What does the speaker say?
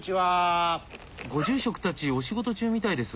ご住職たちお仕事中みたいです。